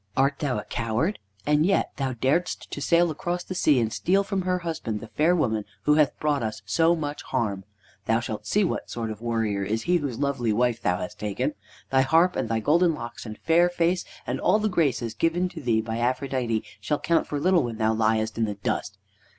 Art thou a coward? and yet thou daredst to sail across the sea and steal from her husband the fair woman who hath brought us so much harm. Thou shalt see what sort of warrior is he whose lovely wife thou hast taken. Thy harp and thy golden locks and fair face, and all the graces given to thee by Aphrodite, shall count for little when thou liest in the dust!